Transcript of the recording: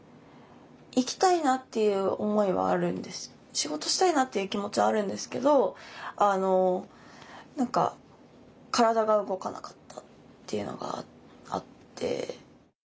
仕事したいなっていう気持ちはあるんですけど何か体が動かなかったっていうのがあって。